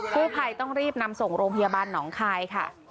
ผู้ภัยต้องรีบนำส่งโรงพยาบาลหนองคายค่ะ